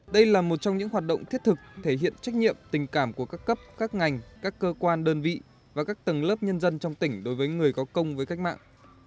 đây là một trong những hoạt động thiết thực thể hiện trách nhiệm tình cảm của các cấp các ngành các cơ quan đơn vị và các tầng lớp nhân dân trong tỉnh đối với người có công với cách mạng